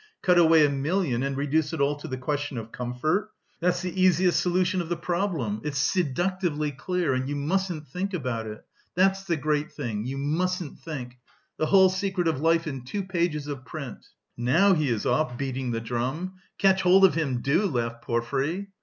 Cut away a million, and reduce it all to the question of comfort! That's the easiest solution of the problem! It's seductively clear and you musn't think about it. That's the great thing, you mustn't think! The whole secret of life in two pages of print!" "Now he is off, beating the drum! Catch hold of him, do!" laughed Porfiry.